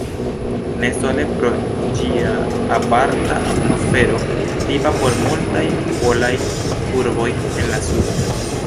Ne sole pro ĝia aparta atmosfero, tipa por multaj polaj urboj en la sudo.